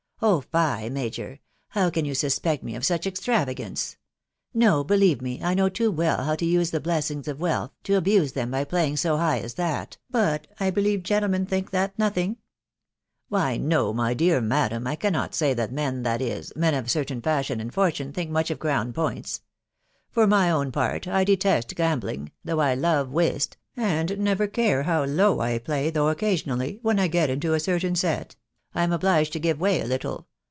" Oh fie ! major .... how can you suspect me of .such extravagance ?.... No, believe me, I know too well how to use the blessings of wealth, to abuse them by playing so high as that .... but I believe gentlemen think that no thing ?"" Why no, my dear madam, I cannot say that men .... that is, men of a certain fashion and fortune, think much of crown points. ... For my own part, I detest gambling, though I love whist, and never care how low I play .... though occasionally, when 1 get into a certain set, I am obliged to give way a little